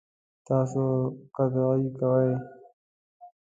تاسو قطعی کوئ؟